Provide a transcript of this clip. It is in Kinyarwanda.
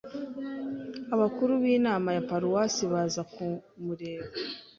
Abakuru b'inama ya paruwasi baza kumureba,